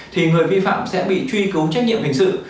thì người vi phạm sẽ bị truy cứu trách nhiệm hình sự